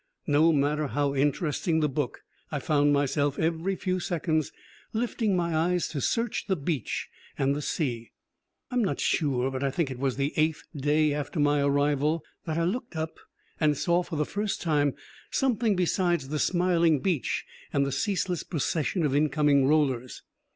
No matter how interesting the book, I found myself, every few seconds, lifting my eyes to search the beach and the sea. I am not sure, but I think it was the eighth day after my arrival that I looked up and saw, for the first time, something besides the smiling beach and the ceaseless procession of incoming rollers.